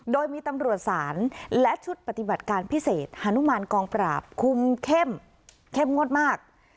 โดยมีตำรวจศาลและชุดปฏิบัติการพิเศษฮานุมานกองปราบคุมเข้มเข้มงวดมาก